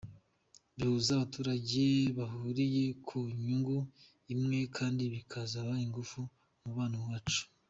Bihuza abaturage bahuriye ku nyungu imwe kandi bikazaha ingufu umugabane wacu.